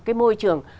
cái môi trường